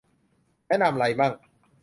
แนะนำไรมั่ง